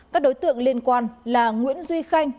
các đối tượng liên quan là nguyễn duy khanh